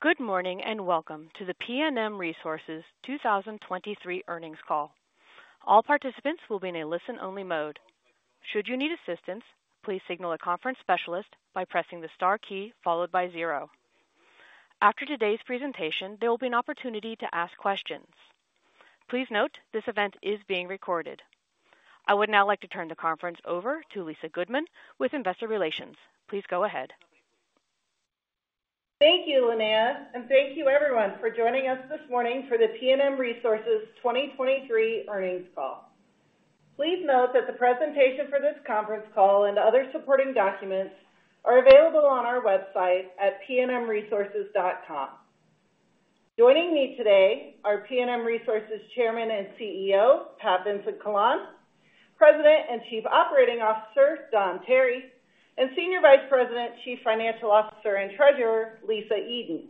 Good morning, and welcome to the PNM Resources 2023 earnings call. All participants will be in a listen-only mode. Should you need assistance, please signal a conference specialist by pressing the Star key, followed by zero. After today's presentation, there will be an opportunity to ask questions. Please note, this event is being recorded. I would now like to turn the conference over to Lisa Goodman with Investor Relations. Please go ahead. Thank you, Linnea, and thank you everyone for joining us this morning for the PNM Resources 2023 earnings call. Please note that the presentation for this conference call and other supporting documents are available on our website at pnmresources.com. Joining me today are PNM Resources Chairman and CEO, Pat Vincent-Collawn, President and Chief Operating Officer, Don Tarry, and Senior Vice President, Chief Financial Officer, and Treasurer, Lisa Eden.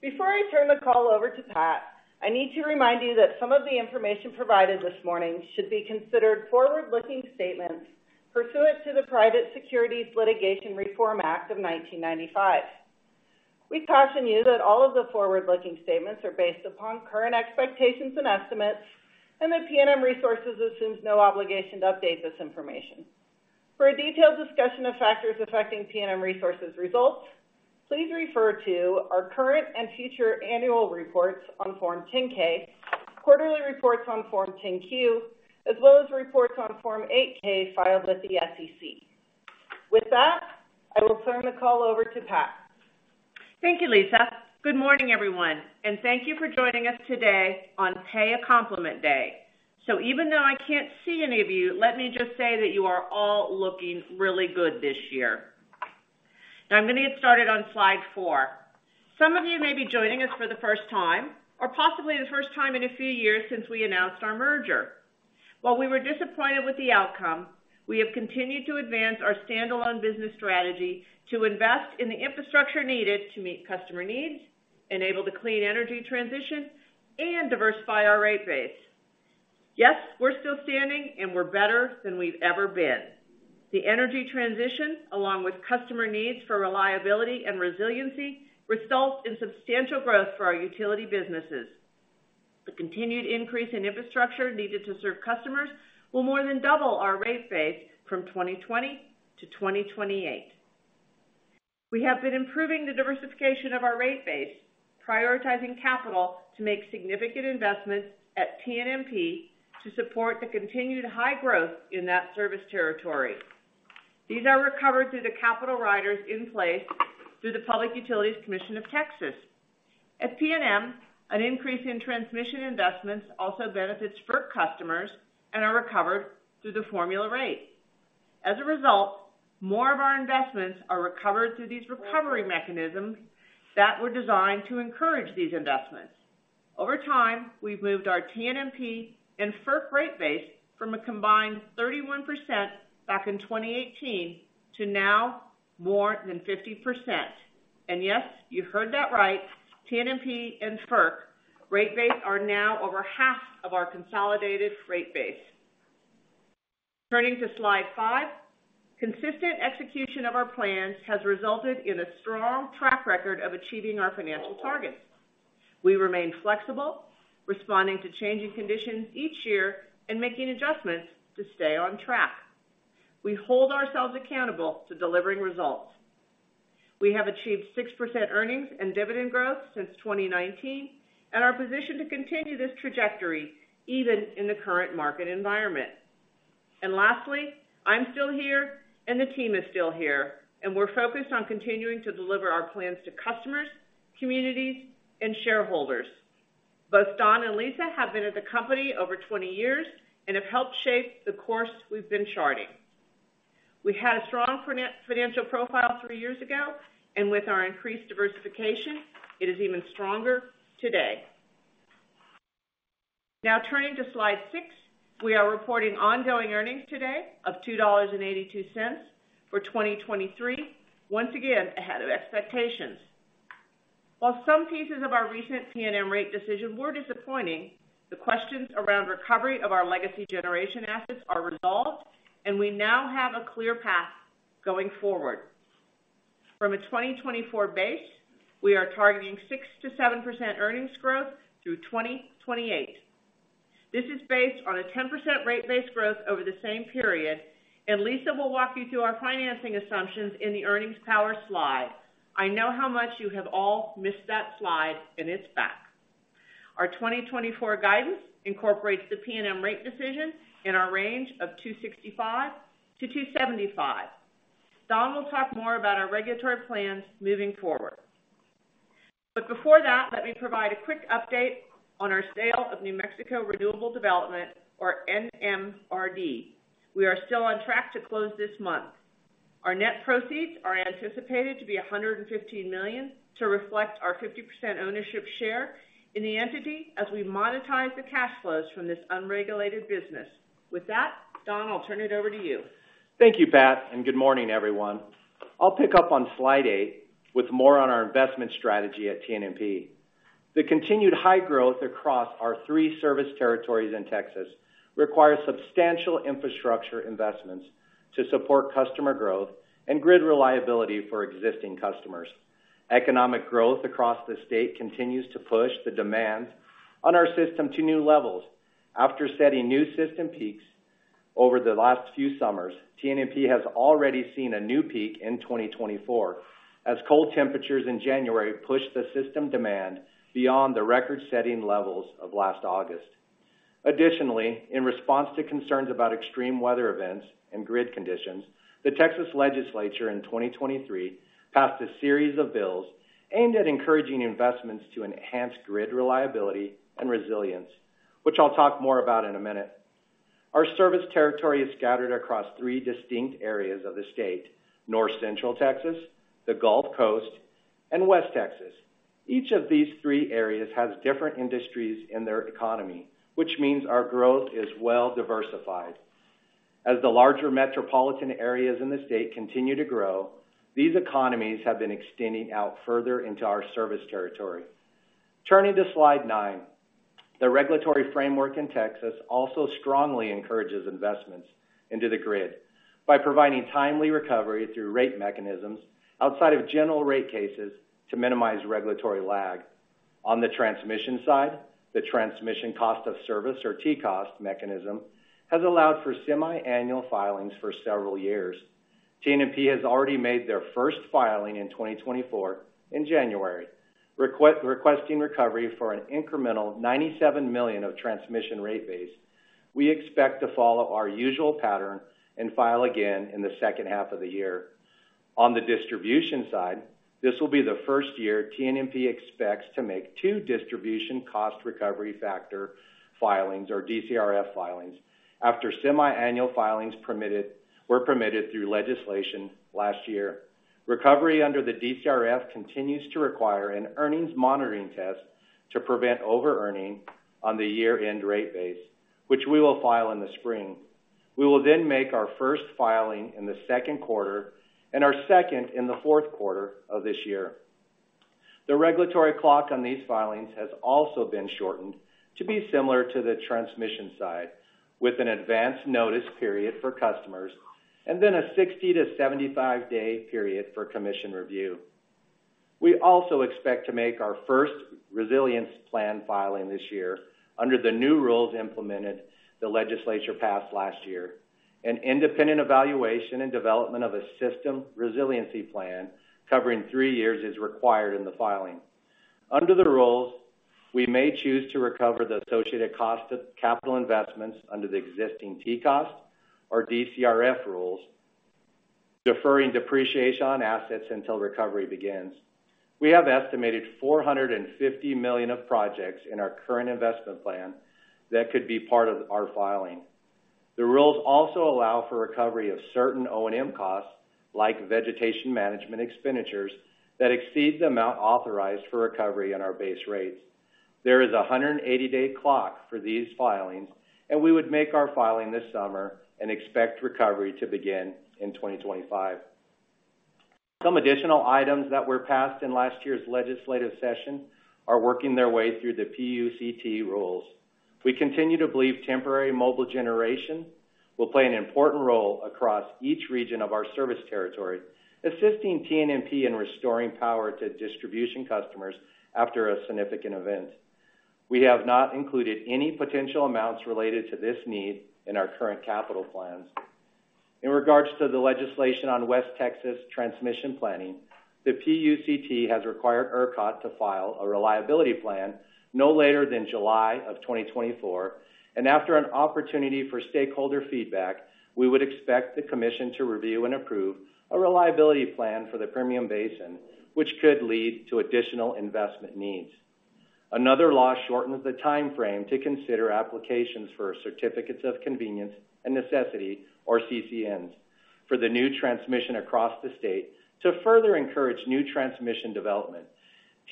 Before I turn the call over to Pat, I need to remind you that some of the information provided this morning should be considered forward-looking statements pursuant to the Private Securities Litigation Reform Act of 1995. We caution you that all of the forward-looking statements are based upon current expectations and estimates, and that PNM Resources assumes no obligation to update this information. For a detailed discussion of factors affecting PNM Resources results, please refer to our current and future annual reports on Form 10-K, quarterly reports on Form 10-Q, as well as reports on Form 8-K filed with the SEC. With that, I will turn the call over to Pat. Thank you, Lisa. Good morning, everyone, and thank you for joining us today on Pay a Compliment Day. So even though I can't see any of you, let me just say that you are all looking really good this year. Now, I'm going to get started on slide four. Some of you may be joining us for the first time or possibly the first time in a few years since we announced our merger. While we were disappointed with the outcome, we have continued to advance our standalone business strategy to invest in the infrastructure needed to meet customer needs, enable the clean energy transition, and diversify our rate base. Yes, we're still standing, and we're better than we've ever been. The energy transition, along with customer needs for reliability and resiliency, results in substantial growth for our utility businesses. The continued increase in infrastructure needed to serve customers will more than double our rate base from 2020 to 2028. We have been improving the diversification of our rate base, prioritizing capital to make significant investments at TNMP to support the continued high growth in that service territory. These are recovered through the capital riders in place through the Public Utility Commission of Texas. At PNM, an increase in transmission investments also benefits FERC customers and are recovered through the Formula Rate. As a result, more of our investments are recovered through these recovery mechanisms that were designed to encourage these investments. Over time, we've moved our TNMP and FERC rate base from a combined 31% back in 2018 to now more than 50%. And yes, you heard that right, TNMP and FERC rate base are now over half of our consolidated rate base. Turning to slide five, consistent execution of our plans has resulted in a strong track record of achieving our financial targets. We remain flexible, responding to changing conditions each year and making adjustments to stay on track. We hold ourselves accountable to delivering results. We have achieved 6% earnings and dividend growth since 2019 and are positioned to continue this trajectory even in the current market environment. And lastly, I'm still here, and the team is still here, and we're focused on continuing to deliver our plans to customers, communities, and shareholders. Both Don and Lisa have been at the company over 20 years and have helped shape the course we've been charting. We had a strong financial profile three years ago, and with our increased diversification, it is even stronger today. Now, turning to slide six, we are reporting ongoing earnings today of $2.82 for 2023, once again ahead of expectations. While some pieces of our recent PNM rate decision were disappointing, the questions around recovery of our legacy generation assets are resolved, and we now have a clear path going forward. From a 2024 base, we are targeting 6%-7% earnings growth through 2028. This is based on a 10% rate base growth over the same period, and Lisa will walk you through our financing assumptions in the earnings power slide. I know how much you have all missed that slide, and it's back. Our 2024 guidance incorporates the PNM rate decision in our range of $2.65-$2.75. Don will talk more about our regulatory plans moving forward. Before that, let me provide a quick update on our sale of New Mexico Renewable Development, or NMRD. We are still on track to close this month. Our net proceeds are anticipated to be $115 million to reflect our 50% ownership share in the entity as we monetize the cash flows from this unregulated business. With that, Don, I'll turn it over to you. Thank you, Pat, and good morning, everyone. I'll pick up on slide eight with more on our investment strategy at TNMP.... The continued high growth across our three service territories in Texas requires substantial infrastructure investments to support customer growth and grid reliability for existing customers. Economic growth across the state continues to push the demand on our system to new levels. After setting new system peaks over the last few summers, TNMP has already seen a new peak in 2024, as cold temperatures in January pushed the system demand beyond the record-setting levels of last August. Additionally, in response to concerns about extreme weather events and grid conditions, the Texas Legislature in 2023 passed a series of bills aimed at encouraging investments to enhance grid reliability and resilience, which I'll talk more about in a minute. Our service territory is scattered across three distinct areas of the state: North Central Texas, the Gulf Coast, and West Texas. Each of these three areas has different industries in their economy, which means our growth is well diversified. As the larger metropolitan areas in the state continue to grow, these economies have been extending out further into our service territory. Turning to slide nine. The regulatory framework in Texas also strongly encourages investments into the grid by providing timely recovery through rate mechanisms outside of general rate cases to minimize regulatory lag. On the transmission side, the Transmission Cost of Service, or TCOS mechanism, has allowed for semiannual filings for several years. TNMP has already made their first filing in 2024 in January, requesting recovery for an incremental $97 million of transmission rate base. We expect to follow our usual pattern and file again in the second half of the year. On the distribution side, this will be the first year TNMP expects to make two distribution cost recovery factor filings, or DCRF filings, after semiannual filings were permitted through legislation last year. Recovery under the DCRF continues to require an Earnings Monitoring Test to prevent overearning on the year-end rate base, which we will file in the spring. We will then make our first filing in the second quarter and our second in the fourth quarter of this year. The regulatory clock on these filings has also been shortened to be similar to the transmission side, with an advanced notice period for customers and then a 60-75-day period for commission review. We also expect to make our first resilience plan filing this year under the new rules implemented the legislature passed last year. An independent evaluation and development of a system resiliency plan covering three years is required in the filing. Under the rules, we may choose to recover the associated cost of capital investments under the existing TCOS or DCRF rules, deferring depreciation on assets until recovery begins. We have estimated $450 million of projects in our current investment plan that could be part of our filing. The rules also allow for recovery of certain O&M costs, like vegetation management expenditures, that exceed the amount authorized for recovery on our base rates. There is a 180-day clock for these filings, and we would make our filing this summer and expect recovery to begin in 2025. Some additional items that were passed in last year's legislative session are working their way through the PUCT rules. We continue to believe temporary mobile generation will play an important role across each region of our service territory, assisting TNMP in restoring power to distribution customers after a significant event. We have not included any potential amounts related to this need in our current capital plans. In regards to the legislation on West Texas transmission planning, the PUCT has required ERCOT to file a reliability plan no later than July of 2024, and after an opportunity for stakeholder feedback, we would expect the commission to review and approve a reliability plan for the Permian Basin, which could lead to additional investment needs. Another law shortens the timeframe to consider applications for certificates of convenience and necessity, or CCNs, for the new transmission across the state to further encourage new transmission development.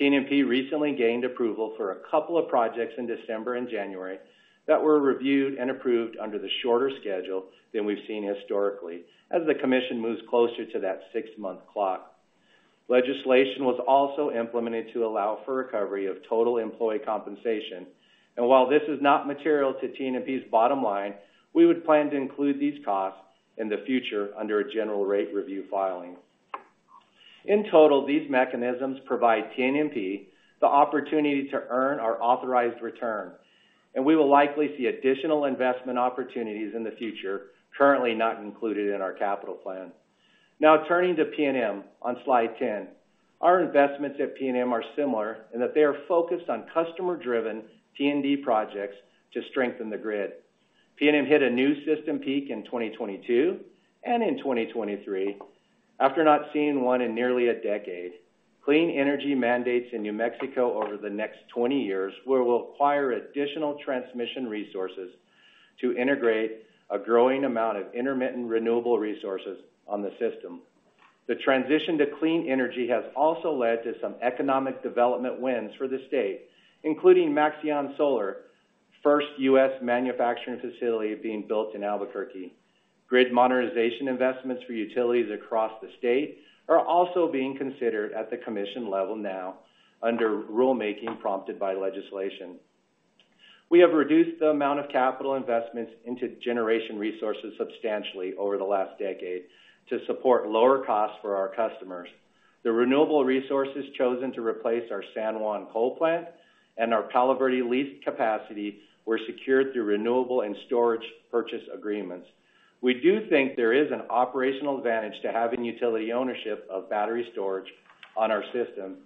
TNMP recently gained approval for a couple of projects in December and January that were reviewed and approved under the shorter schedule than we've seen historically, as the Commission moves closer to that six-month clock. Legislation was also implemented to allow for recovery of total employee compensation. And while this is not material to TNMP's bottom line, we would plan to include these costs in the future under a General Rate Review filing. In total, these mechanisms provide TNMP the opportunity to earn our authorized return, and we will likely see additional investment opportunities in the future, currently not included in our capital plan. Now turning to PNM on slide 10. Our investments at PNM are similar in that they are focused on customer-driven T&D projects to strengthen the grid. PNM hit a new system peak in 2022 and in 2023 after not seeing one in nearly a decade. Clean energy mandates in New Mexico over the next 20 years, where we'll acquire additional transmission resources to integrate a growing amount of intermittent renewable resources on the system. The transition to clean energy has also led to some economic development wins for the state, including Maxeon Solar... first U.S. manufacturing facility being built in Albuquerque. Grid modernization investments for utilities across the state are also being considered at the commission level now, under rulemaking prompted by legislation. We have reduced the amount of capital investments into generation resources substantially over the last decade to support lower costs for our customers. The renewable resources chosen to replace our San Juan coal plant and our Palo Verde lease capacity were secured through renewable and storage purchase agreements. We do think there is an operational advantage to having utility ownership of battery storage on our system,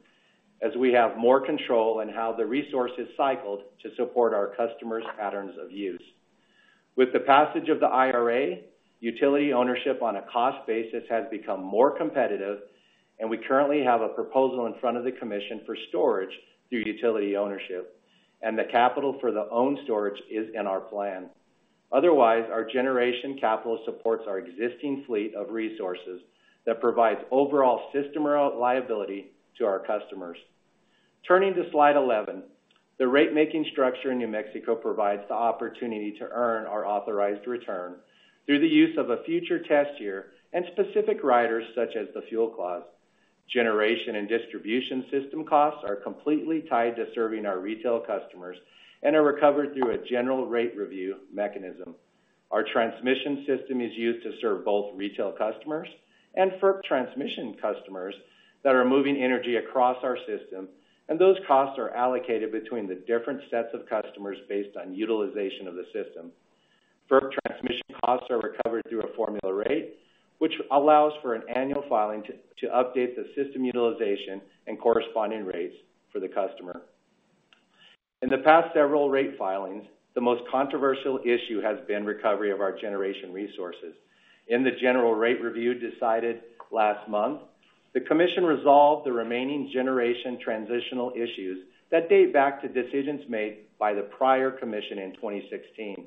as we have more control in how the resource is cycled to support our customers' patterns of use. With the passage of the IRA, utility ownership on a cost basis has become more competitive, and we currently have a proposal in front of the commission for storage through utility ownership, and the capital for the owned storage is in our plan. Otherwise, our generation capital supports our existing fleet of resources that provides overall system reliability to our customers. Turning to slide 11, the ratemaking structure in New Mexico provides the opportunity to earn our authorized return through the use of a future test year and specific riders, such as the fuel clause. Generation and distribution system costs are completely tied to serving our retail customers and are recovered through a general rate review mechanism. Our transmission system is used to serve both retail customers and FERC transmission customers that are moving energy across our system, and those costs are allocated between the different sets of customers based on utilization of the system. FERC transmission costs are recovered through a formula rate, which allows for an annual filing to update the system utilization and corresponding rates for the customer. In the past several rate filings, the most controversial issue has been recovery of our generation resources. In the general rate review decided last month, the commission resolved the remaining generation transitional issues that date back to decisions made by the prior commission in 2016.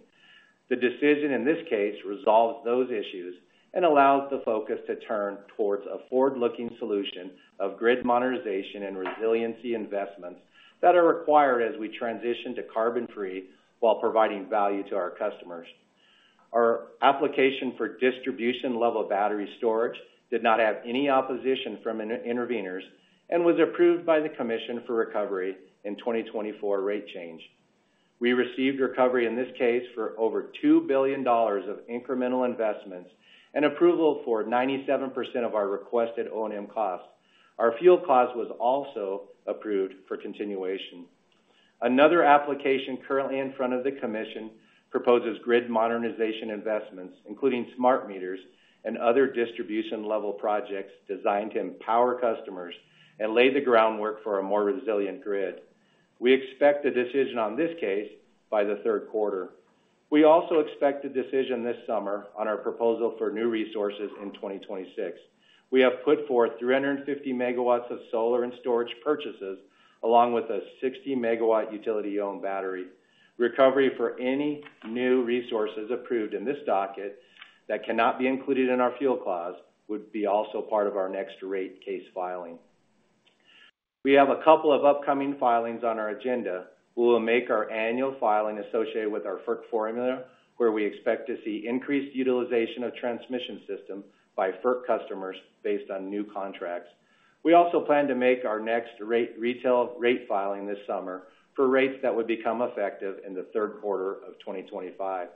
The decision, in this case, resolves those issues and allows the focus to turn towards a forward-looking solution of grid modernization and resiliency investments that are required as we transition to carbon-free while providing value to our customers. Our application for distribution-level battery storage did not have any opposition from intervenors and was approved by the commission for recovery in 2024 rate change. We received recovery in this case for over $2 billion of incremental investments and approval for 97% of our requested O&M costs. Our fuel cost was also approved for continuation. Another application currently in front of the commission proposes grid modernization investments, including smart meters and other distribution-level projects designed to empower customers and lay the groundwork for a more resilient grid. We expect a decision on this case by the third quarter. We also expect a decision this summer on our proposal for new resources in 2026. We have put forth 350 megawatts of solar and storage purchases, along with a 60-megawatt utility-owned battery. Recovery for any new resources approved in this docket that cannot be included in our fuel clause would be also part of our next rate case filing. We have a couple of upcoming filings on our agenda. We will make our annual filing associated with our FERC formula, where we expect to see increased utilization of transmission system by FERC customers based on new contracts. We also plan to make our next retail rate filing this summer for rates that would become effective in the third quarter of 2025.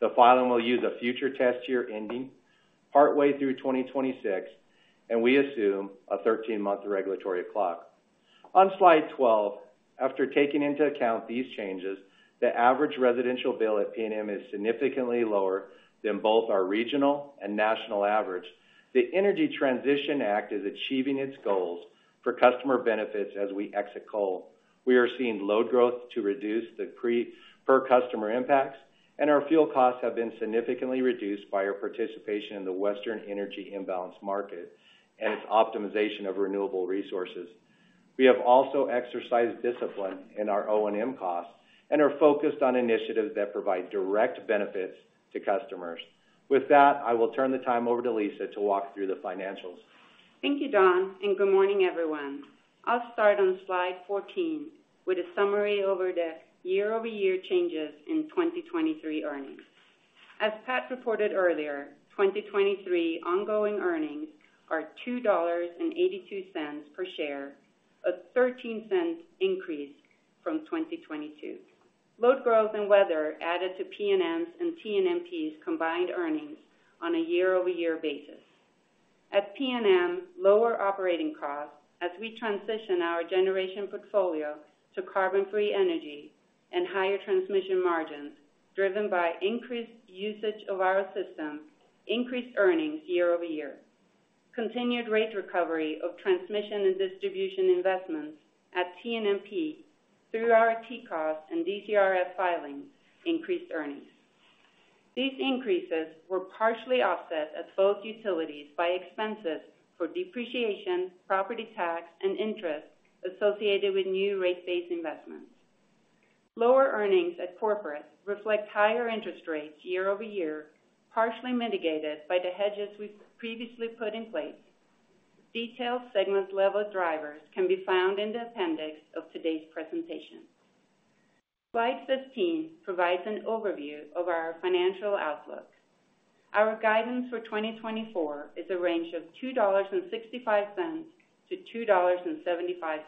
The filing will use a future test year ending partway through 2026, and we assume a 13-month regulatory clock. On slide 12, after taking into account these changes, the average residential bill at PNM is significantly lower than both our regional and national average. The Energy Transition Act is achieving its goals for customer benefits as we exit coal. We are seeing load growth to reduce the per-customer impacts, and our fuel costs have been significantly reduced by our participation in the Western Energy Imbalance Market and its optimization of renewable resources. We have also exercised discipline in our O&M costs and are focused on initiatives that provide direct benefits to customers. With that, I will turn the time over to Lisa to walk through the financials. Thank you, Don, and good morning, everyone. I'll start on slide 14 with a summary over the year-over-year changes in 2023 earnings. As Pat reported earlier, 2023 ongoing earnings are $2.82 per share, a $0.13 increase from 2022. Load growth and weather added to PNM's and TNMP's combined earnings on a year-over-year basis. At PNM, lower operating costs as we transition our generation portfolio to carbon-free energy and higher transmission margins, driven by increased usage of our system, increased earnings year-over-year. Continued rate recovery of transmission and distribution investments at TNMP through our TCOS and DCRF filings increased earnings. These increases were partially offset at both utilities by expenses for depreciation, property tax, and interest associated with new rate-based investments. Lower earnings at corporate reflect higher interest rates year-over-year, partially mitigated by the hedges we've previously put in place. Detailed segment-level drivers can be found in the appendix of today's presentation. Slide 15 provides an overview of our financial outlook. Our guidance for 2024 is a range of $2.65-$2.75.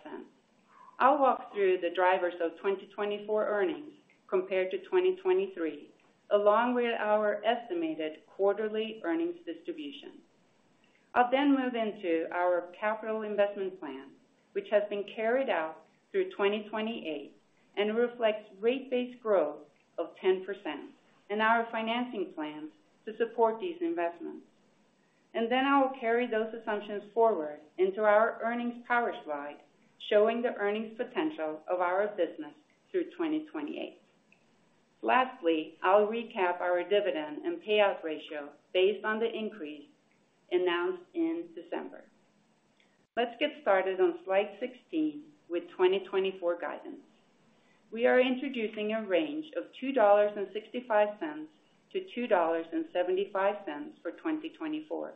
I'll walk through the drivers of 2024 earnings compared to 2023, along with our estimated quarterly earnings distribution. I'll then move into our capital investment plan, which has been carried out through 2028 and reflects rate-based growth of 10% and our financing plans to support these investments. And then I will carry those assumptions forward into our earnings power slide, showing the earnings potential of our business through 2028. Lastly, I'll recap our dividend and payout ratio based on the increase announced in December. Let's get started on slide 16 with 2024 guidance. We are introducing a range of $2.65-$2.75 for 2024.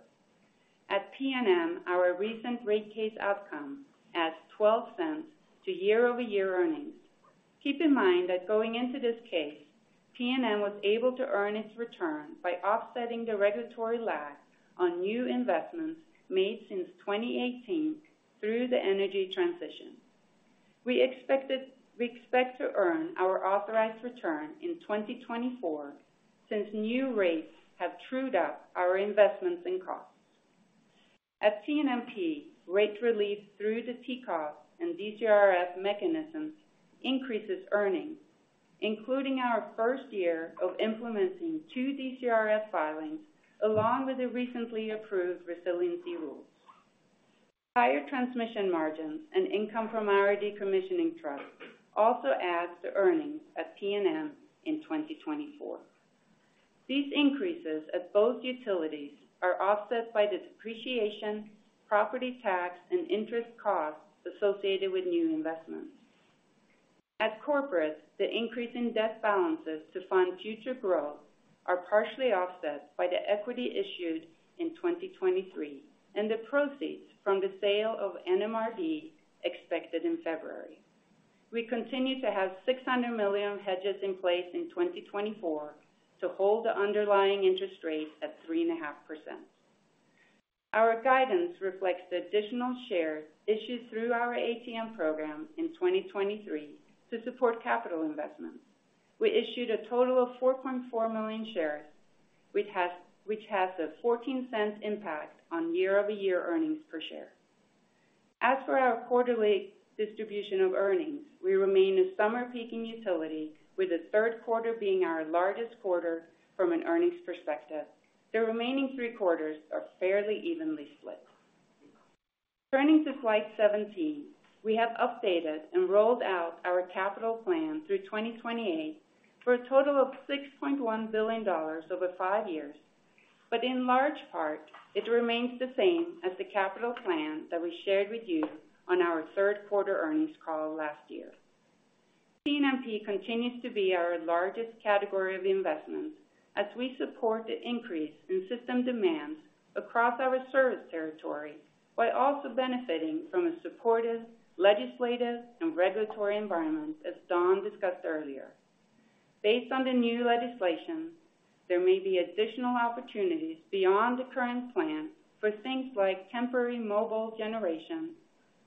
At PNM, our recent rate case outcome adds $0.12 to year-over-year earnings. Keep in mind that going into this case, PNM was able to earn its return by offsetting the regulatory lag on new investments made since 2018 through the energy transition. We expect to earn our authorized return in 2024, since new rates have trued up our investments and costs. At PNM, rate relief through the TCOS and DCRF mechanisms increases earnings, including our first year of implementing two DCRF filings, along with the recently approved resiliency rules. Higher transmission margins and income from our decommissioning trust also adds to earnings at PNM in 2024. These increases at both utilities are offset by the depreciation, property tax, and interest costs associated with new investments. At corporate, the increase in debt balances to fund future growth are partially offset by the equity issued in 2023 and the proceeds from the sale of NMRD, expected in February. We continue to have $600 million hedges in place in 2024 to hold the underlying interest rate at 3.5%. Our guidance reflects the additional shares issued through our ATM Program in 2023 to support capital investments. We issued a total of 4.4 million shares, which has a $0.14 impact on year-over-year earnings per share. As for our quarterly distribution of earnings, we remain a summer peaking utility, with the third quarter being our largest quarter from an earnings perspective. The remaining three quarters are fairly evenly split. Turning to slide 17, we have updated and rolled out our capital plan through 2028 for a total of $6.1 billion over five years. But in large part, it remains the same as the capital plan that we shared with you on our third quarter earnings call last year. PNM continues to be our largest category of investments as we support the increase in system demands across our service territory, while also benefiting from a supportive legislative and regulatory environment, as Don discussed earlier. Based on the new legislation, there may be additional opportunities beyond the current plan for things like temporary mobile generation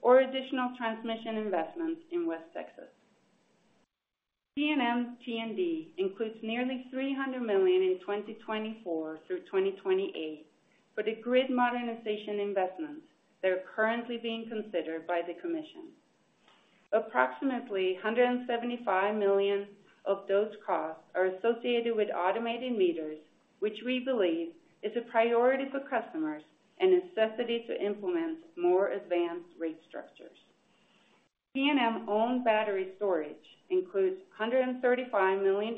or additional transmission investments in West Texas. PNM T&D includes nearly $300 million in 2024 through 2028 for the grid modernization investments that are currently being considered by the commission. Approximately $175 million of those costs are associated with automated meters, which we believe is a priority for customers and a necessity to implement more advanced rate structures. PNM-owned battery storage includes $135 million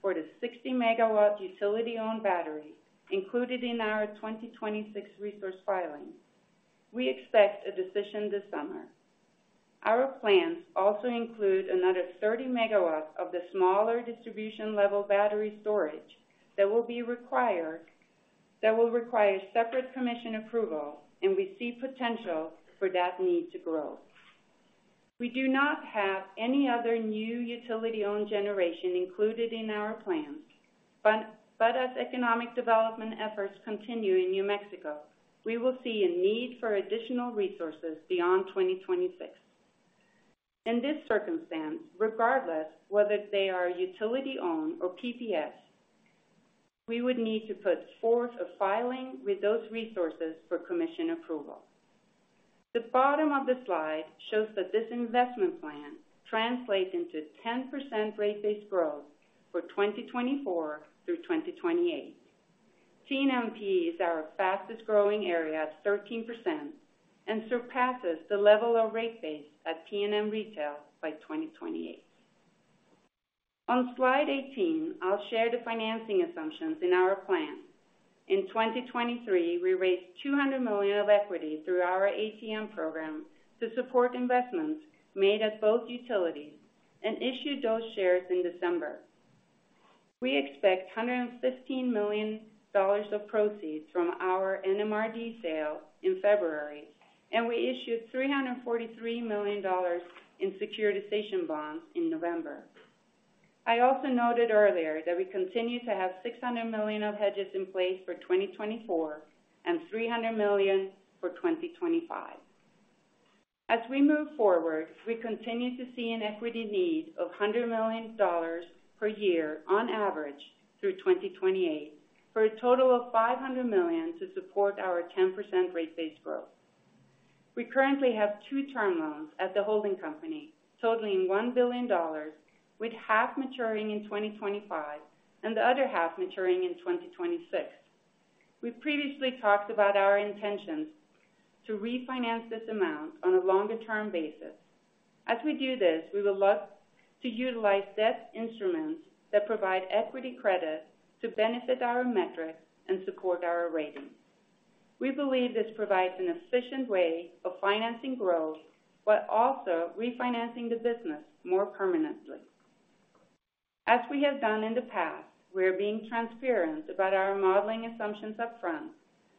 for the 60-MW utility-owned battery included in our 2026 resource filing. We expect a decision this summer. Our plans also include another 30 MW of the smaller distribution-level battery storage that will require separate commission approval, and we see potential for that need to grow. We do not have any other new utility-owned generation included in our plans, but as economic development efforts continue in New Mexico, we will see a need for additional resources beyond 2026. In this circumstance, regardless whether they are utility-owned or PPAs, we would need to put forth a filing with those resources for commission approval. The bottom of the slide shows that this investment plan translates into 10% rate-based growth for 2024 through 2028. TNMP is our fastest growing area at 13% and surpasses the level of rate base at PNM Retail by 2028. On slide 18, I'll share the financing assumptions in our plan. In 2023, we raised $200 million of equity through our ATM program to support investments made at both utilities and issued those shares in December.... We expect $115 million of proceeds from our NMRD sale in February, and we issued $343 million in securitization bonds in November. I also noted earlier that we continue to have $600 million of hedges in place for 2024 and $300 million for 2025. As we move forward, we continue to see an equity need of $100 million per year on average through 2028, for a total of $500 million to support our 10% rate-based growth. We currently have two term loans at the holding company, totaling $1 billion, with half maturing in 2025 and the other half maturing in 2026. We've previously talked about our intentions to refinance this amount on a longer-term basis. As we do this, we will look to utilize debt instruments that provide equity credit to benefit our metrics and support our ratings. We believe this provides an efficient way of financing growth, but also refinancing the business more permanently. As we have done in the past, we are being transparent about our modeling assumptions upfront,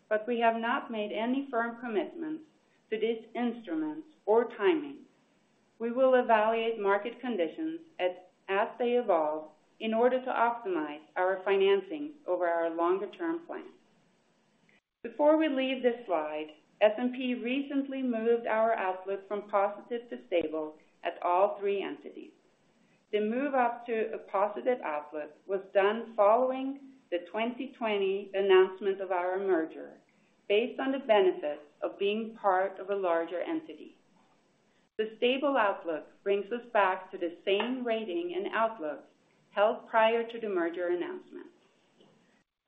but we have not made any firm commitments to these instruments or timing. We will evaluate market conditions as they evolve in order to optimize our financing over our longer-term plan. Before we leave this slide, S&P recently moved our outlook from positive to stable at all three entities. The move up to a positive outlook was done following the 2020 announcement of our merger, based on the benefits of being part of a larger entity. The stable outlook brings us back to the same rating and outlook held prior to the merger announcement.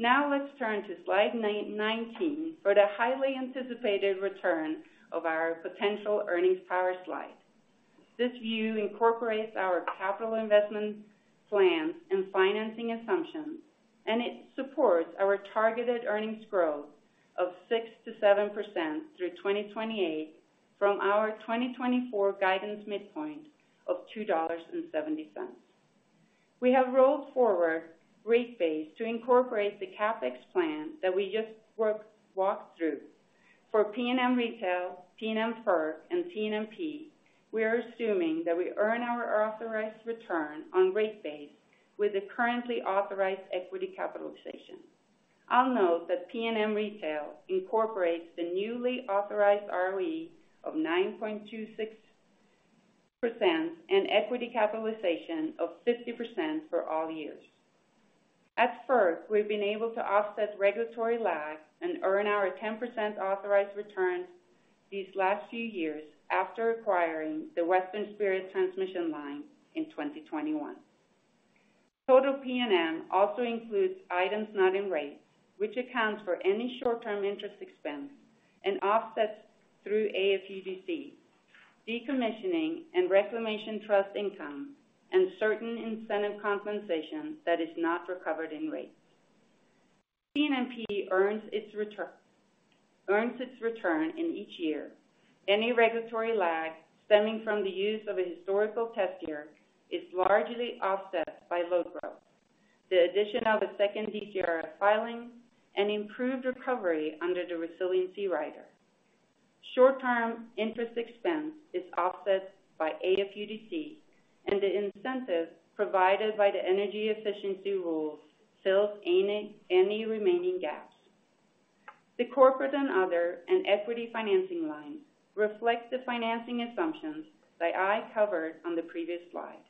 Now, let's turn to slide 19 for the highly anticipated return of our potential earnings power slide. This view incorporates our capital investment plans and financing assumptions, and it supports our targeted earnings growth of 6%-7% through 2028 from our 2024 guidance midpoint of $2.70. We have rolled forward rate base to incorporate the CapEx plan that we just walked through. For PNM Retail, PNM FERC and TNMP, we are assuming that we earn our authorized return on rate base with the currently authorized equity capitalization. I'll note that PNM Retail incorporates the newly authorized ROE of 9.26% and equity capitalization of 50% for all years. At first, we've been able to offset regulatory lag and earn our 10% authorized return these last few years after acquiring the Western Spirit transmission line in 2021. Total PNM also includes items not in rate, which accounts for any short-term interest expense and offsets through AFUDC, decommissioning and reclamation trust income, and certain incentive compensation that is not recovered in rates. TNMP earns its return, earns its return in each year. Any regulatory lag stemming from the use of a historical test year is largely offset by load growth. The addition of a second DCRF filing and improved recovery under the Resiliency Rider. Short-term interest expense is offset by AFUDC, and the incentive provided by the energy efficiency rules fills any remaining gaps. The corporate and other, and equity financing line reflects the financing assumptions that I covered on the previous slide.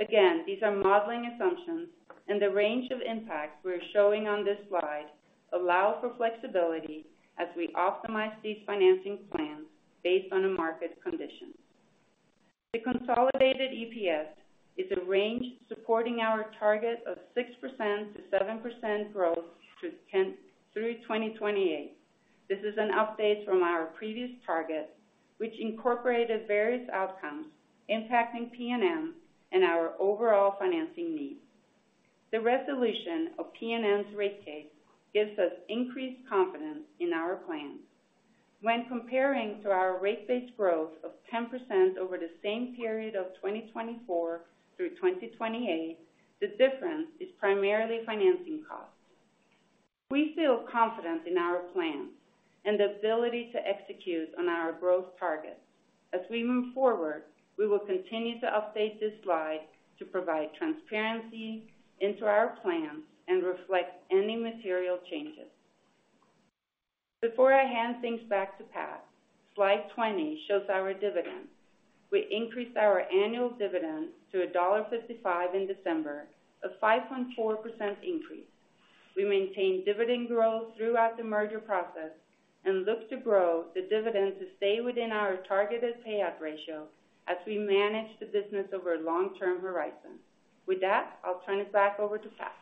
Again, these are modeling assumptions, and the range of impacts we're showing on this slide allow for flexibility as we optimize these financing plans based on the market conditions. The consolidated EPS is a range supporting our target of 6%-7% growth through 2028. This is an update from our previous target, which incorporated various outcomes impacting PNM and our overall financing needs. The resolution of PNM's rate case gives us increased confidence in our plans. When comparing to our rate-based growth of 10% over the same period of 2024 through 2028, the difference is primarily financing costs. We feel confident in our plans and the ability to execute on our growth targets. As we move forward, we will continue to update this slide to provide transparency into our plans and reflect any material changes. Before I hand things back to Pat, slide 20 shows our dividends. We increased our annual dividend to $1.55 in December, a 5.4% increase. We maintained dividend growth throughout the merger process and look to grow the dividend to stay within our targeted payout ratio as we manage the business over a long-term horizon. With that, I'll turn it back over to Pat.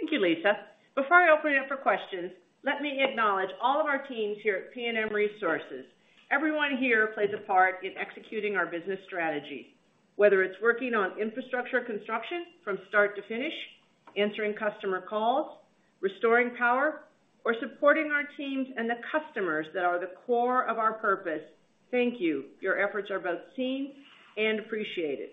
Thank you, Lisa. Before I open it up for questions, let me acknowledge all of our teams here at PNM Resources. Everyone here plays a part in executing our business strategy, whether it's working on infrastructure construction from start to finish, answering customer calls, restoring power, or supporting our teams and the customers that are the core of our purpose, thank you. Your efforts are both seen and appreciated.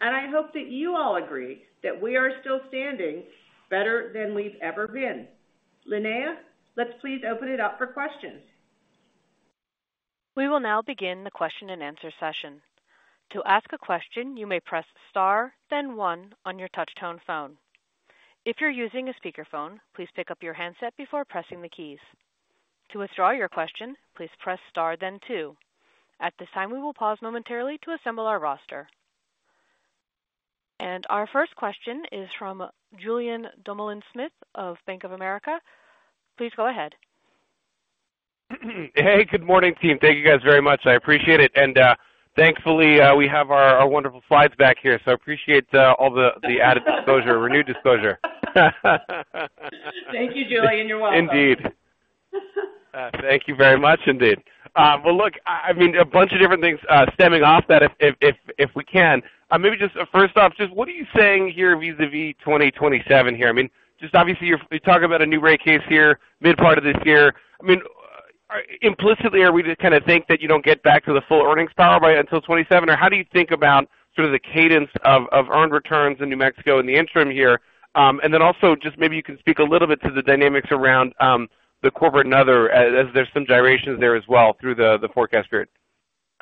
And I hope that you all agree that we are still standing better than we've ever been. Linnea, let's please open it up for questions. We will now begin the question-and-answer session. To ask a question, you may press star, then one on your touch-tone phone. If you're using a speakerphone, please pick up your handset before pressing the keys. To withdraw your question, please press star then two. At this time, we will pause momentarily to assemble our roster. Our first question is from Julien Dumoulin-Smith of Bank of America. Please go ahead. Hey, good morning, team. Thank you, guys, very much. I appreciate it, and, thankfully, we have our wonderful slides back here, so I appreciate all the added disclosure, renewed disclosure. Thank you, Julien. You're welcome. Indeed. Thank you very much, indeed. Well, look, I mean, a bunch of different things stemming off that, if we can. Maybe just first off, just what are you saying here vis-à-vis 2027 here? I mean, just obviously, you're talking about a new rate case here, mid-part of this year. I mean, implicitly, are we to kinda think that you don't get back to the full earnings power by until 2027? Or how do you think about sort of the cadence of earned returns in New Mexico in the interim here? And then also, just maybe you can speak a little bit to the dynamics around the corporate and other, as there's some gyrations there as well through the forecast period.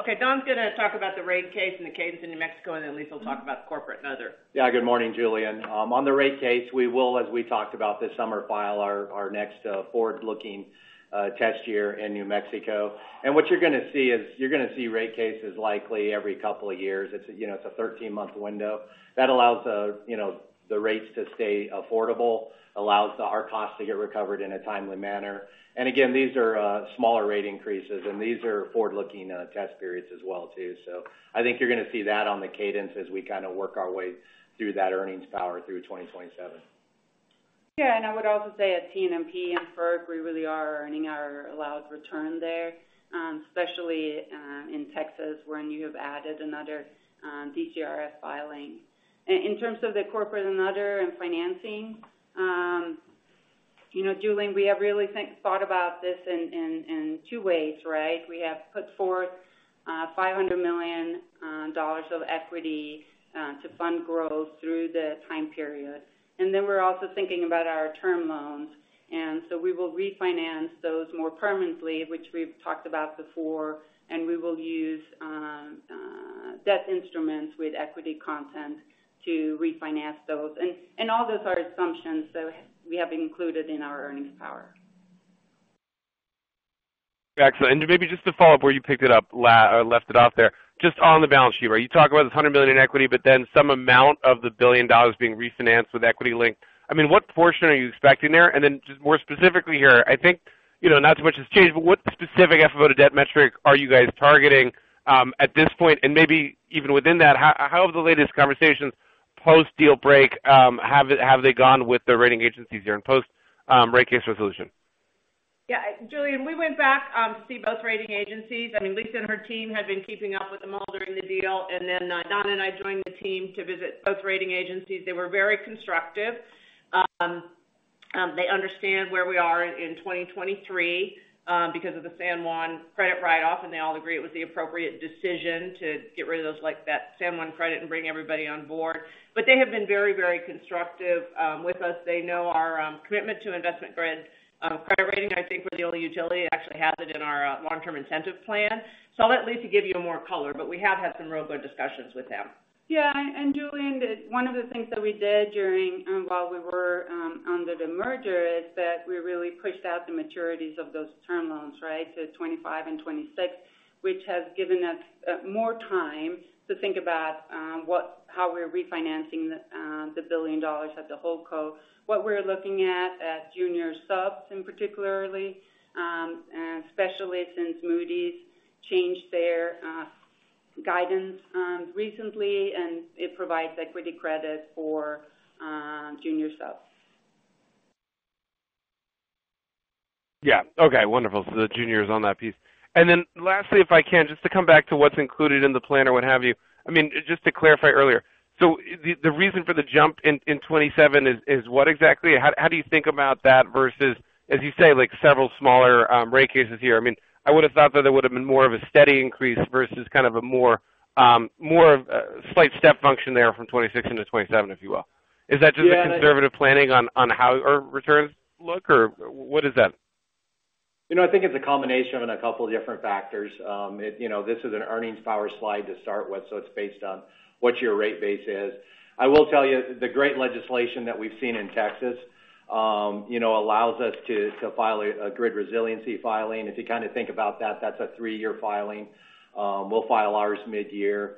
Okay, Don's going to talk about the rate case and the cadence in New Mexico, and then Lisa will talk about the corporate and other. Yeah, good morning, Julien. On the rate case, we will, as we talked about this summer, file our next forward-looking test year in New Mexico. And what you're going to see is, you're going to see rate cases likely every couple of years. It's, you know, a 13-month window. That allows, you know, the rates to stay affordable, allows our costs to get recovered in a timely manner. And again, these are smaller rate increases, and these are forward-looking test periods as well, too. So I think you're going to see that on the cadence as we kind of work our way through that earnings power through 2027. Yeah, and I would also say at TNMP and FERC, we really are earning our allowed return there, especially in Texas, when you have added another DCRF filing. In terms of the corporate and other and financing, you know, Julien, we have really thought about this in two ways, right? We have put forth $500 million of equity to fund growth through the time period. And then we're also thinking about our term loans, and so we will refinance those more permanently, which we've talked about before, and we will use debt instruments with equity content to refinance those. And all those are assumptions, so we have included in our earnings power. Excellent. And maybe just to follow up where you picked it up, left it off there, just on the balance sheet, where you talk about this $100 million in equity, but then some amount of the $1 billion being refinanced with equity link. I mean, what portion are you expecting there? And then, just more specifically here, I think, you know, not so much has changed, but what specific FFO to debt metric are you guys targeting at this point? And maybe even within that, how have the latest conversations, post-deal break, have they gone with the rating agencies here and post rate case resolution? Yeah, Julien, we went back to see both rating agencies. I mean, Lisa and her team had been keeping up with them all during the deal, and then Don and I joined the team to visit both rating agencies. They were very constructive. They understand where we are in 2023, because of the San Juan credit write-off, and they all agree it was the appropriate decision to get rid of those, like, that San Juan credit and bring everybody on board. But they have been very, very constructive with us. They know our commitment to investment-grade credit rating. I think we're the only utility that actually has it in our long-term incentive plan. So I'll let Lisa give you more color, but we have had some real good discussions with them. Yeah, and Julien, one of the things that we did during while we were under the merger is that we really pushed out the maturities of those term loans, right, to 2025 and 2026, which has given us more time to think about how we're refinancing the $1 billion at the HoldCo. What we're looking at is junior subs, and particularly especially since Moody's changed their guidance recently, and it provides equity credit for junior subs. Yeah. Okay, wonderful. So the junior is on that piece. And then lastly, if I can, just to come back to what's included in the plan or what have you. I mean, just to clarify earlier, so the reason for the jump in 2027 is what exactly? How do you think about that versus, as you say, like, several smaller rate cases here? I mean, I would have thought that there would have been more of a steady increase versus kind of a more, more of, slight step function there from 2026 into 2027, if you will. Yeah- Is that just a conservative planning on how our returns look, or what is that? You know, I think it's a combination of a couple of different factors. It, you know, this is an earnings power slide to start with, so it's based on what your rate base is. I will tell you, the great legislation that we've seen in Texas, you know, allows us to file a grid resiliency filing. If you kind of think about that, that's a three-year filing. We'll file ours mid-year.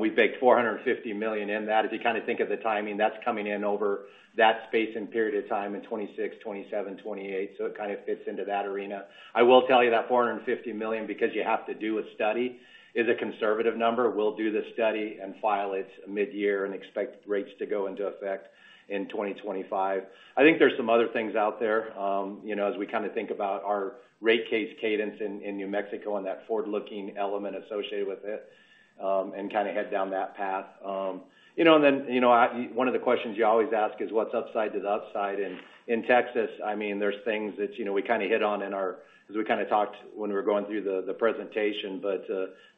We've baked $450 million in that. If you kind of think of the timing, that's coming in over that space and period of time in 2026, 2027, 2028, so it kind of fits into that arena. I will tell you that $450 million, because you have to do a study, is a conservative number. We'll do the study and file it mid-year and expect rates to go into effect in 2025. I think there's some other things out there, you know, as we kind of think about our rate case cadence in, in New Mexico and that forward-looking element associated with it, and kind of head down that path. You know, and then, you know, I one of the questions you always ask is, what's upside to the upside? And in Texas, I mean, there's things that, you know, we kind of hit on in our as we kind of talked when we were going through the presentation, but,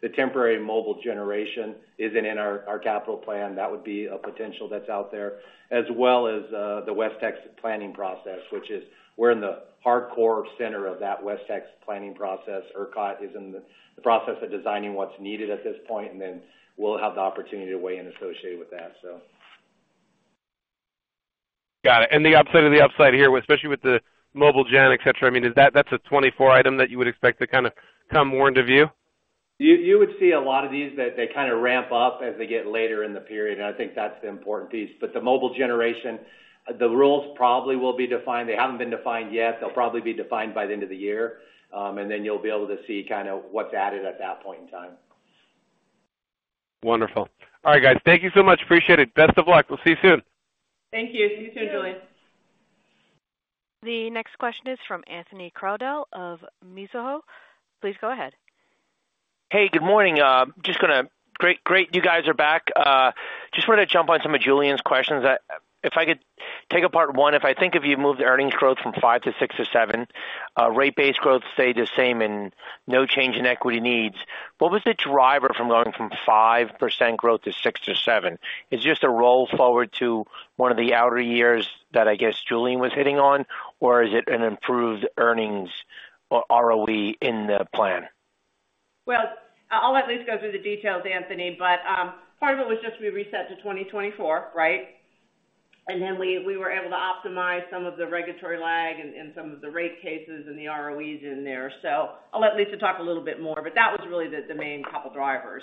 the temporary mobile generation isn't in our capital plan. That would be a potential that's out there, as well as, the West Texas planning process, which is we're in the hardcore center of that West Texas planning process. ERCOT is in the process of designing what's needed at this point, and then we'll have the opportunity to weigh in associated with that, so. Got it. The upside of the upside here, especially with the mobile gen, et cetera, I mean, is that, that's a 2024 item that you would expect to kind of come more into view? You, you would see a lot of these that they kind of ramp up as they get later in the period, and I think that's the important piece. But the mobile generation, the rules probably will be defined. They haven't been defined yet. They'll probably be defined by the end of the year, and then you'll be able to see kind of what's added at that point in time. Wonderful. All right, guys, thank you so much. Appreciate it. Best of luck. We'll see you soon. Thank you. See you soon, Julien. The next question is from Anthony Crowdell of Mizuho. Please go ahead. Hey, good morning. Just going to... Great, great, you guys are back. Just wanted to jump on some of Julien's questions. If I could take apart one, if I think if you moved the earnings growth from 5% to 6% to 7%, rate base growth stayed the same and no change in equity needs, what was the driver from going from 5% growth to 6%-7%? It's just a roll forward to one of the outer years that I guess Julien was hitting on, or is it an improved earnings or ROE in the plan? Well, I'll let Lisa go through the details, Anthony, but part of it was just we reset to 2024, right? And then we were able to optimize some of the regulatory lag and some of the rate cases and the ROEs in there. So I'll let Lisa talk a little bit more, but that was really the main couple drivers.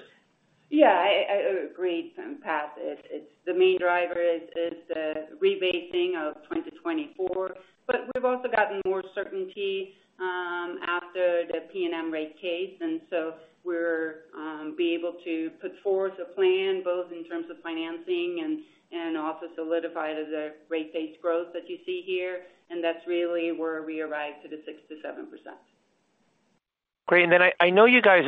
Yeah, I agree, Pat. It's the main driver is the rebasing of 2024. But we've also gotten more certainty after the PNM rate case, and so we're able to put forth a plan, both in terms of financing and also solidify the rate base growth that you see here, and that's really where we arrived to the 6%-7%. Great. And then I know you guys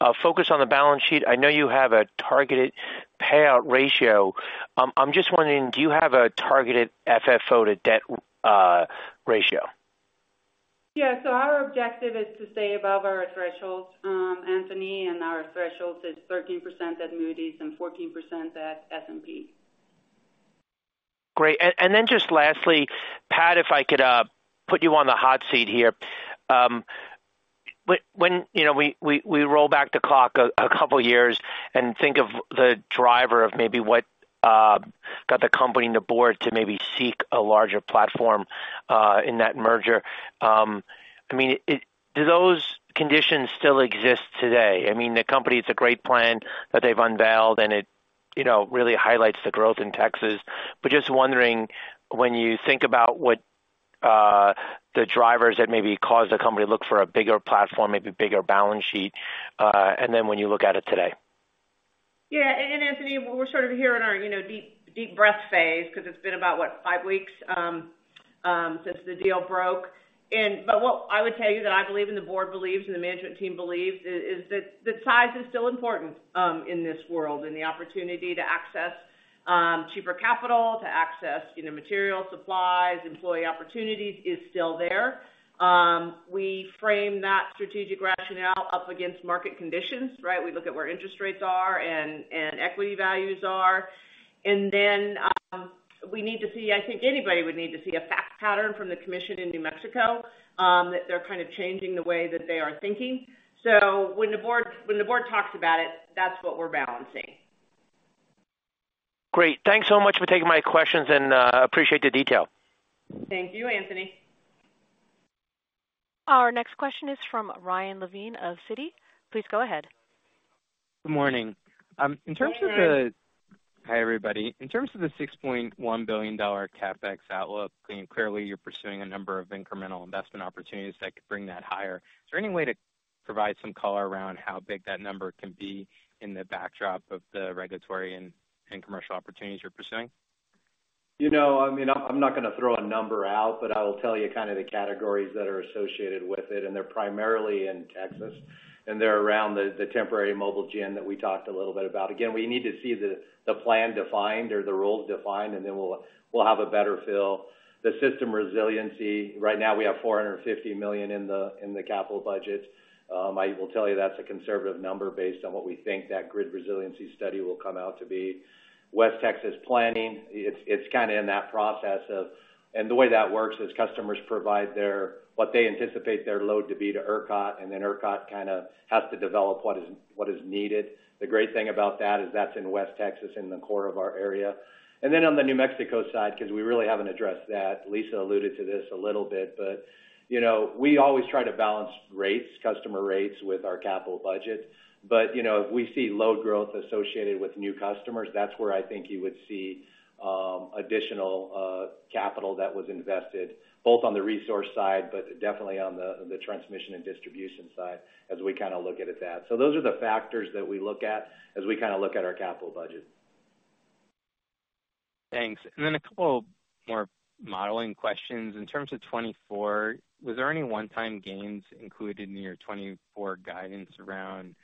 are focused on the balance sheet. I know you have a targeted payout ratio. I'm just wondering, do you have a targeted FFO to debt ratio? Yeah, so our objective is to stay above our thresholds, Anthony, and our thresholds is 13% at Moody's and 14% at S&P. Great. And then just lastly, Pat, if I could put you on the hot seat here. When you know, we roll back the clock a couple of years and think of the driver of maybe what got the company and the board to maybe seek a larger platform in that merger, I mean, do those conditions still exist today? I mean, the company, it's a great plan that they've unveiled, and it you know really highlights the growth in Texas. But just wondering, when you think about what the drivers that maybe caused the company to look for a bigger platform, maybe bigger balance sheet, and then when you look at it today. Yeah, and Anthony, we're sort of here in our, you know, deep, deep breath phase because it's been about, what, five weeks since the deal broke. But what I would tell you that I believe, and the board believes, and the management team believes is that the size is still important in this world, and the opportunity to access cheaper capital, to access, you know, material, supplies, employee opportunities is still there. We frame that strategic rationale up against market conditions, right? We look at where interest rates are and equity values are. And then, we need to see. I think anybody would need to see a fact pattern from the commission in New Mexico that they're kind of changing the way that they are thinking. So when the board talks about it, that's what we're balancing. Great. Thanks so much for taking my questions, and appreciate the detail. Thank you, Anthony. Our next question is from Ryan Levine of Citi. Please go ahead. Good morning. In terms of the- Good morning. Hi, everybody. In terms of the $6.1 billion CapEx outlook, I mean, clearly, you're pursuing a number of incremental investment opportunities that could bring that higher. Is there any way to provide some color around how big that number can be in the backdrop of the regulatory and commercial opportunities you're pursuing? You know, I mean, I'm not going to throw a number out, but I will tell you kind of the categories that are associated with it, and they're primarily in Texas, and they're around the temporary mobile gen that we talked a little bit about. Again, we need to see the plan defined or the rules defined, and then we'll have a better feel. The system resiliency, right now, we have $450 million in the capital budget. I will tell you that's a conservative number based on what we think that grid resiliency study will come out to be. West Texas planning, it's kind of in that process of—and the way that works is customers provide their what they anticipate their load to be to ERCOT, and then ERCOT kind of has to develop what is needed. The great thing about that is that's in West Texas, in the core of our area. And then on the New Mexico side, because we really haven't addressed that, Lisa alluded to this a little bit, but you know, we always try to balance rates, customer rates, with our capital budget. But you know, if we see load growth associated with new customers, that's where I think you would see additional capital that was invested, both on the resource side, but definitely on the transmission and distribution side, as we kind of look at it that. Those are the factors that we look at as we kind of look at our capital budget.... Thanks. And then a couple more modeling questions. In terms of 2024, was there any one-time gains included in your 2024 guidance around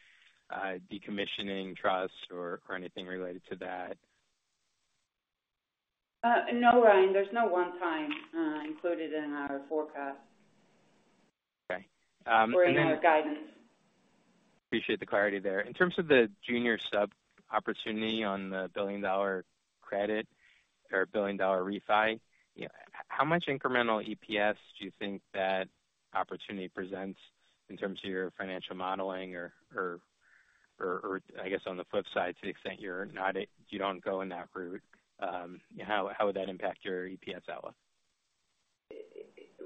decommissioning trust or anything related to that? No, Ryan, there's no one time included in our forecast. Okay, and then- Or in our guidance. Appreciate the clarity there. In terms of the junior sub opportunity on the billion-dollar credit or billion-dollar refi, yeah, how much incremental EPS do you think that opportunity presents in terms of your financial modeling or, I guess, on the flip side, to the extent you're not, you don't go in that route, how would that impact your EPS outlook?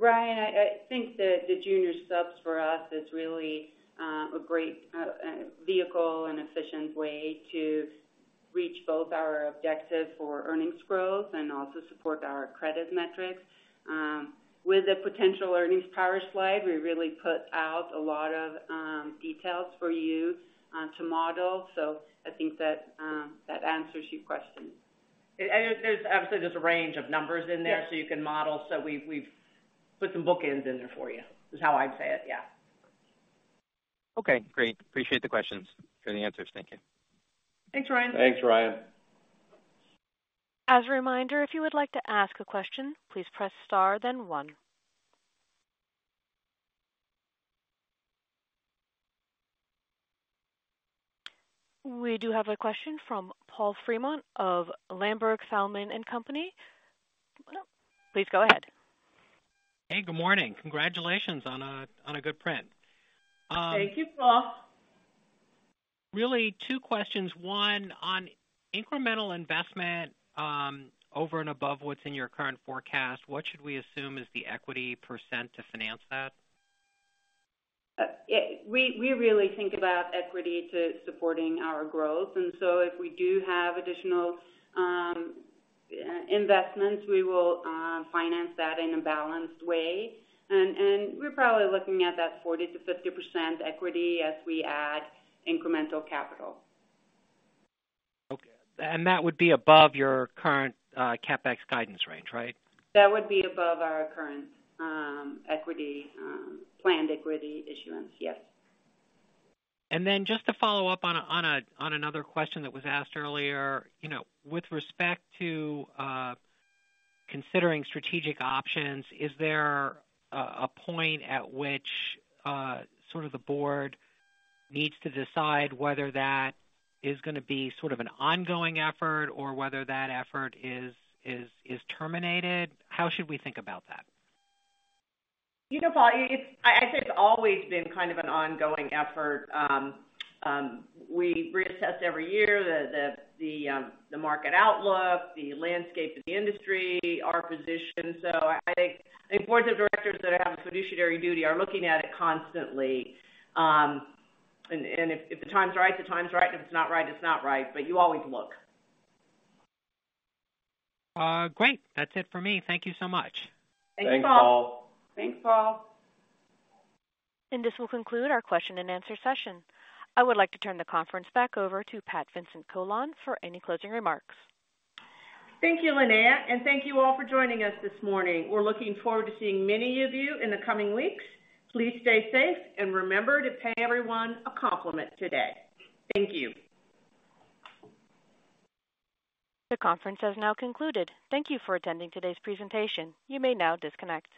Ryan, I think the junior subs for us is really a great vehicle and efficient way to reach both our objective for earnings growth and also support our credit metrics. With the potential earnings power slide, we really put out a lot of details for you to model. So I think that answers your question. and there's obviously a range of numbers in there- Yes. - so you can model. So we've, we've put some bookends in there for you, is how I'd say it. Yeah. Okay, great. Appreciate the questions and the answers. Thank you. Thanks, Ryan. Thanks, Ryan. As a reminder, if you would like to ask a question, please press Star then one. We do have a question from Paul Fremont of Ladenburg Thalmann and Company. Please go ahead. Hey, good morning. Congratulations on a, on a good print. Thank you, Paul. Really, two questions. One, on incremental investment, over and above what's in your current forecast, what should we assume is the equity percent to finance that? Yeah, we really think about equity to supporting our growth, and so if we do have additional investments, we will finance that in a balanced way. And we're probably looking at that 40%-50% equity as we add incremental capital. Okay. And that would be above your current CapEx guidance range, right? That would be above our current equity planned equity issuance, yes. And then just to follow up on another question that was asked earlier, you know, with respect to considering strategic options, is there a point at which sort of the board needs to decide whether that is gonna be sort of an ongoing effort or whether that effort is terminated? How should we think about that? You know, Paul, it's... I think it's always been kind of an ongoing effort. We reassess every year the market outlook, the landscape of the industry, our position. So I think the board of directors that have a fiduciary duty are looking at it constantly. And if the time's right, the time's right. If it's not right, it's not right, but you always look. Great. That's it for me. Thank you so much. Thank you, Paul. Thanks, Paul. Thanks, Paul. This will conclude our question-and-answer session. I would like to turn the conference back over to Pat Vincent-Collawn for any closing remarks. Thank you, Lynette, and thank you all for joining us this morning. We're looking forward to seeing many of you in the coming weeks. Please stay safe and remember to pay everyone a compliment today. Thank you. The conference has now concluded. Thank you for attending today's presentation. You may now disconnect.